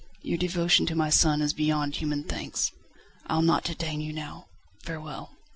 Your devotion to my son is beyond human thanks. I'll not detain you now. Farewell."